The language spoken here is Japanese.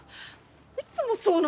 いつもそうなんだ。